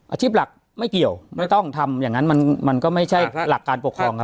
อาชีพหลักไม่เกี่ยวไม่ต้องทำอย่างนั้นมันก็ไม่ใช่หลักการปกครอง